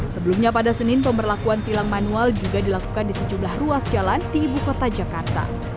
sebelumnya pada senin pemberlakuan tilang manual juga dilakukan di sejumlah ruas jalan di ibu kota jakarta